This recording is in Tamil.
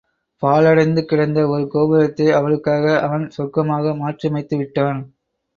பாழடைந்து கிடந்த ஒரு கோபுரத்தை அவளுக்காக அவன் சொர்க்கமாக மாற்றியமைத்து விட்டான்.